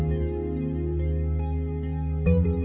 aku mau tidur